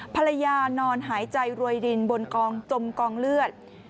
ภรรยานอนหายใจรวยดินบนกองจมกองเลือด